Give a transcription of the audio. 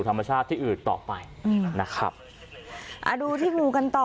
ธรรมชาติที่อื่นต่อไปอืมนะครับอ่าดูที่งูกันต่อ